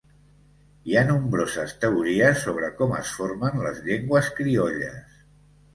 Hi ha nombroses teories sobre com es formen les llengües criolles.